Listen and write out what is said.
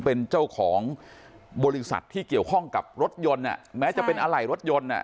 เป็นเจ้าของบริษัทที่เกี่ยวข้องกับรถยนต์อ่ะแม้จะเป็นอะไรรถยนต์อ่ะ